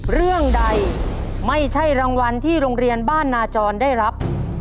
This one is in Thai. เรื่องใดไม่ใช่รางวัลที่โรงเรียนบ้านนาจรได้รับ